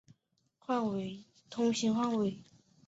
拉贾斯坦邦为印地语的通行范围。